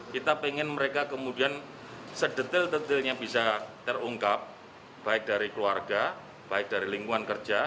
kita ingin mereka kemudian sedetail detilnya bisa terungkap baik dari keluarga baik dari lingkungan kerja